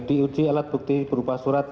di uji alat bukti berupa surat